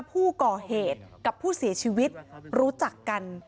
ผู้ก่อเหตุกับผู้เสียชีวิตรู้จักกัน